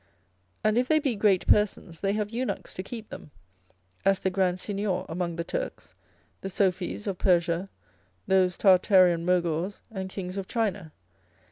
And if they be great persons, they have eunuchs to keep them, as the Grand Signior among the Turks, the Sophies of Persia, those Tartarian Mogors, and Kings of China.